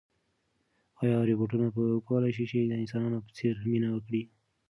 ایا روبوټونه به وکولای شي چې د انسانانو په څېر مینه وکړي؟